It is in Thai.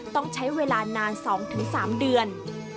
ต้องใช้เวลานาน๒๓เดือน